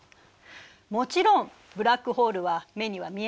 もちろんブラックホールは目には見えないわ。